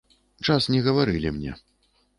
Час не гаварылі мне.